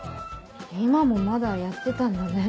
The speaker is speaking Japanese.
今もまだやってたんだね。